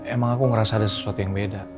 emang aku ngerasa ada sesuatu yang beda